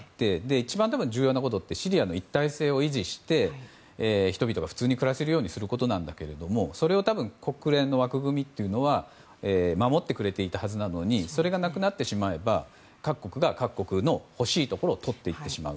一番、重要なことってシリアの一体性を維持して人々が普通に暮らせるようにすることなんだけどもそれを国連の枠組みは守ってくれていたはずなのにそれがなくなってしまえば各国が各国の欲しいところをとっていってしまう。